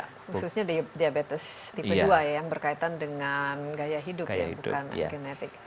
khususnya diabetes tipe dua ya yang berkaitan dengan gaya hidup ya bukan genetik